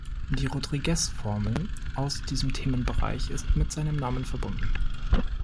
Die Rodrigues-Formel aus diesem Themenbereich ist mit seinem Namen verbunden.